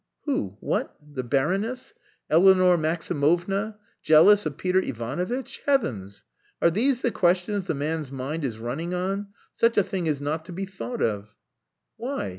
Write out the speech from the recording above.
"Who? What? The Baroness? Eleanor Maximovna? Jealous of Peter Ivanovitch? Heavens! Are these the questions the man's mind is running on? Such a thing is not to be thought of." "Why?